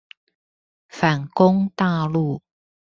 反攻大陸